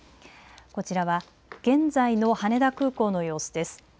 こちらは現在の羽田空港の様子です。